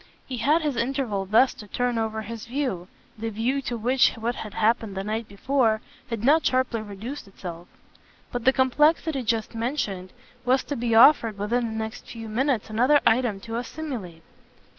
He had his interval thus to turn over his view the view to which what had happened the night before had not sharply reduced itself; but the complexity just mentioned was to be offered within the next few minutes another item to assimilate.